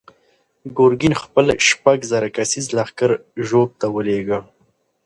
ګورګین خپل شپږ زره کسیز لښکر ژوب ته ولېږه.